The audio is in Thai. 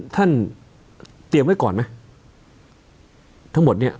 ท่านเตรียมไว้ก่อนไหมทั้งหมดเนี่ย